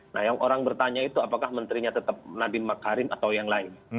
nah yang orang bertanya itu apakah menterinya tetap nadiem makarim atau yang lain